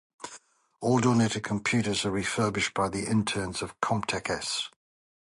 All donated computers are refurbished by the interns of CompTechS.